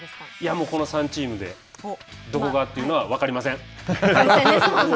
もうこの３チームでどこがというのは分かりません。